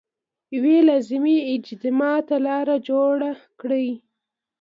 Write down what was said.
یوې لازمي اجماع ته لار جوړه کړي.